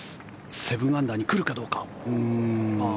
７アンダーに来るかどうか。